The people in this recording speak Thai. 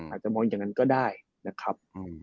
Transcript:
อาจจะมองอย่างนั้นก็ได้นะครับ